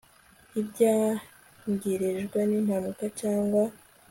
y ibyangirijwe n impanuka cyangwa